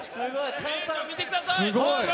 皆さん、見てください。